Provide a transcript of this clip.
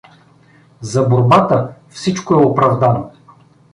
— За борбата всичко е оправдано.